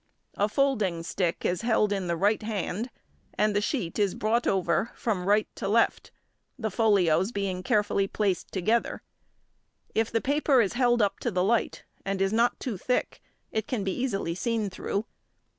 A folding stick is held in the right hand, and the sheet is brought over from right to left, the folios being carefully placed together; if the paper is held up to the light, and is not too thick, it can be easily seen through.